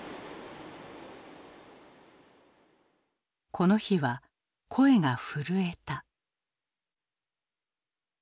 この日は声が震えた。